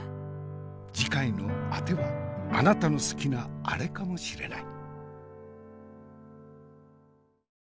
次回のあてはあなたの好きなアレかもしれない。